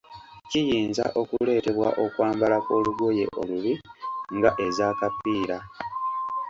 Kiyinza okuleetebwa okwambala kw'olugoye olubi nga ez'akapiira.